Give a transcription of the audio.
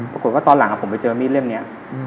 ปรากฏว่าตอนหลังผมไปเจอมีดเล่มนี้